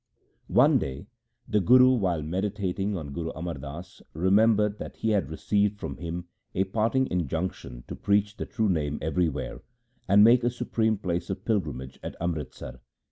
One day the Guru, while meditating on Guru Amar Das, remembered that he had received from him a parting injunction to preach the true Name everywhere, and make a supreme place of pilgrimage at Amritsar.